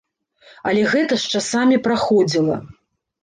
Але гэта з часамі праходзіла.